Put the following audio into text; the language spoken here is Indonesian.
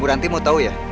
muranti mau tau ya